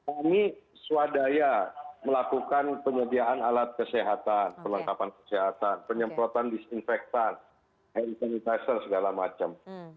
ini swadaya melakukan penyediaan alat kesehatan penyemprotan disinfektan air sanitizer segala macam